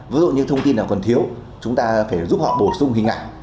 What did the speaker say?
ví dụ như thông tin nào còn thiếu chúng ta phải giúp họ bổ sung hình ảnh